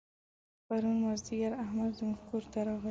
پرون مازدیګر احمد زموږ کور ته راغی.